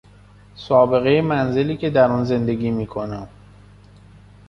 سابقهی منزلی که در آن زندگی میکنم